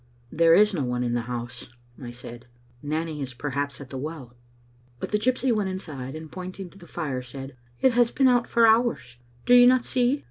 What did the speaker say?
"There is no one in the house," I said. "Nanny is perhaps at the well. " But the gypsy went inside, and pointing to the fire said, " It has been out for hours. Do you not see?